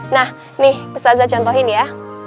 nah nih mustazah contohin ya